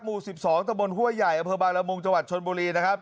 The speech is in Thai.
หมู่สิบสองตะบนห้วยใหญ่อาพบาลมงจวัดชนบุรีนะครับ